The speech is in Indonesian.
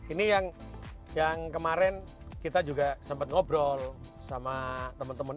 ini yang kemarin kita juga sempat ngobrol sama teman teman